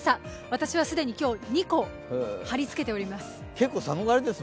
私は既に今日、２個貼り付けております。